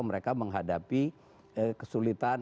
mereka menghadapi kesulitan